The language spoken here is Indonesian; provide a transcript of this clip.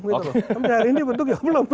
sampai hari ini dibentuk belum